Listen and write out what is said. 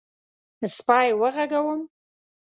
_سپی وغږوم؟